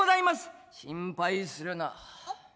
「心配するな。